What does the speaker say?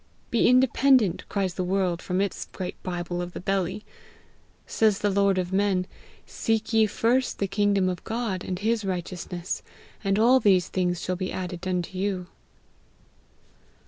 'Be independent!' cries the world from its' great Bible of the Belly; says the Lord of men, 'Seek ye first the kingdom of God and his righteousness, and all these things shall be added unto you.'